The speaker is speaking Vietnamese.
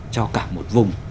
cho cả một vùng